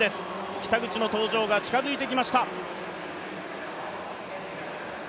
北口の登場が近づいてきました。